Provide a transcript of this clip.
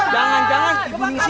kalau diproyek dua gitu gimana ya